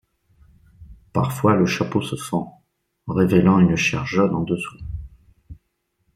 Parfois le chapeau se fend, révélant une chair jaune en dessous.